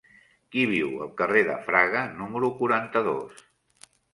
Qui viu al carrer de Fraga número quaranta-dos?